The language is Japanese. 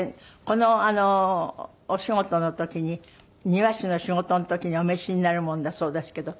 このお仕事の時に庭師の仕事の時にお召しになるものだそうですけど。